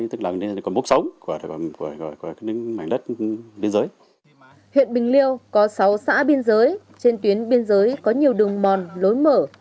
huyện bình liêu có sáu xã biên giới trên tuyến biên giới có nhiều đường mòn lối mở